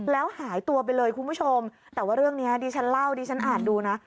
แล้วหายตัวไปเลยคุณผู้ชมแต่ว่าเรื่องนี้ดิฉันเล่าดิฉันอ่านดูนะ